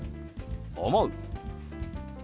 「思う」。